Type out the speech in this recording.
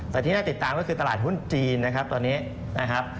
แต่ที่น่าติดตามก็คือตลาดหุ้นจีนนะครับตอนนี้นะครับ